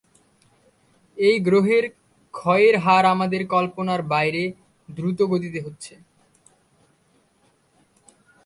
এই গ্রহের ক্ষয়ের হার আমাদের কল্পনার বাইরে দ্রুত গতিতে হচ্ছে।